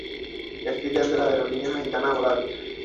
Es filial de la aerolínea mexicana Volaris.